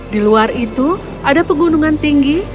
di luar itu ada pegunungan tinggi